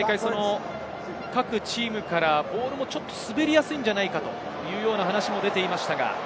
各チームからボールが滑りやすいんじゃないかというような話が出ていました。